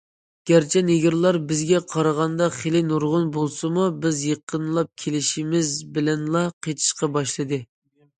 گەرچە نېگىرلار بىزگە قارىغاندا خېلى نۇرغۇن بولسىمۇ، بىز يېقىنلاپ كېلىشىمىز بىلەنلا قېچىشقا باشلىدى.